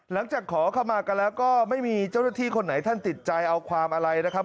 หลังจากขอเข้ามากันแล้วก็ไม่มีเจ้าหน้าที่คนไหนท่านติดใจเอาความอะไรนะครับ